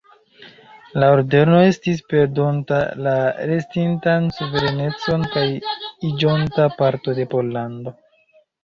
La Ordeno estis perdonta la restintan suverenecon kaj iĝonta parto de Pollando.